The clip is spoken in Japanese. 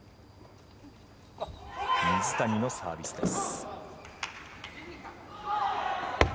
水谷のサービスです。